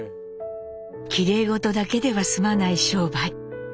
きれいごとだけでは済まない商売。